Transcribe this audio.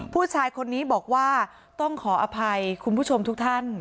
ผู้ชายคนนี้บอกว่าต้องขออภัยคุณผู้ชมทุกท่าน